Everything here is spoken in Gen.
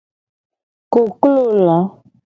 Koklo la.